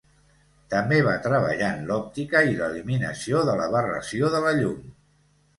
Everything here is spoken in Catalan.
També va treballar en l'òptica i l'eliminació de l'aberració de la llum.